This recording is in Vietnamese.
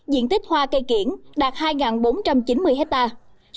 diện tích hoa cây kiển đạt hai bốn trăm chín mươi hectare